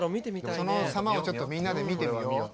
その様をみんなで見てみよう。